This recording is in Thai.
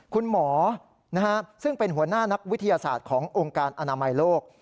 คุณหมอซึ่งเป็นหัวหน้านักวิทยาศาสตร์ขององค์การอนามัยโลก